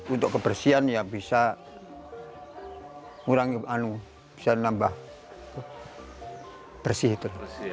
untuk kebersihan ya bisa mengurangi bisa nambah bersih itu